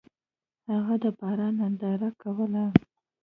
هغه د باران ننداره کوله.